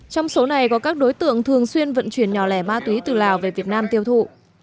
trong số này có các đối tượng thường xuyên vận chuyển nhỏ lẻ ma túy từ lào về việt nam tiêu thụ